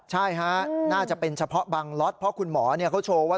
ใช่ฮะน่าจะเป็นเฉพาะบางล็อตเพราะคุณหมอเขาโชว์ว่า